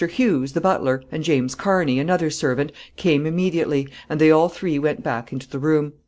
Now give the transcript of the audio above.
Hughes, the butler, and James Carney, another servant, came immediately, and they all three went back into the room.